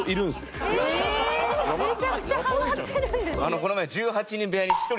この前。